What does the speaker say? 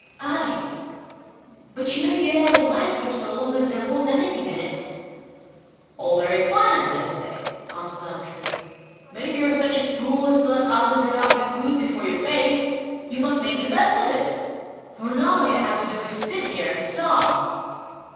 "Nay! but you know you ate out of my scrip so long as there was anything in it", said True. "All very fine, I daresay", answered Untrue; "but if you are such a fool as to let others eat up your food before your face, you must make the best of it; for now all you have to do is to sit here and starve."